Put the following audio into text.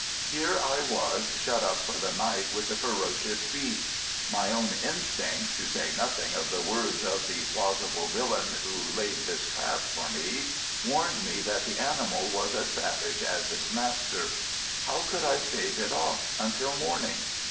Here I was shut up for the night with the ferocious beast. My own instincts, to say nothing of the words of the plausible villain who laid this trap for me, warned me that the animal was as savage as its master. How could I stave it off until morning?